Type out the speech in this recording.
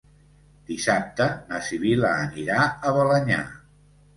Dissabte na Sibil·la anirà a Balenyà.